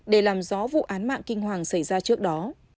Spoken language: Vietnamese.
để làm rõ vụ án mạng kinh hoàng xảy ra trước đó